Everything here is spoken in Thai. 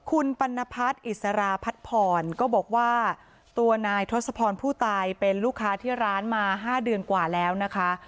คุณปัณพัฒน์อิสราพัดพรก็บอกว่าตัวนายทศพรผู้ตายเป็นลูกค้าที่ร้านมา๕เดือนกว่าแล้วนะคะ